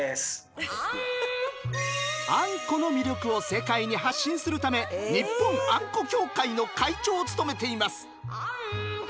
あんこの魅力を世界に発信するため日本あんこ協会の会長を務めています。